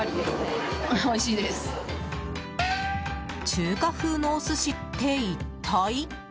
中華風のお寿司って一体？